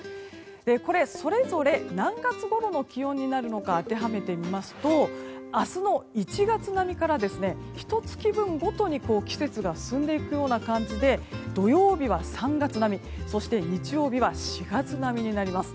これ、それぞれ何月ごろの気温になるのか当てはめてみますと明日の１月並みからひと月分ごとに季節が進んでいくような感じで土曜日は３月並みそして日曜日は４月並みになります。